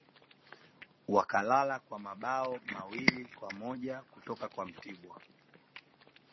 wakalala kwa mabao mawili kwa moja kutoka kwa mtibwa